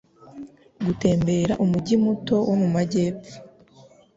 gutembera umujyi muto wo mu majyepfo